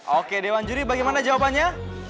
oke dewan juri bagaimana jawabannya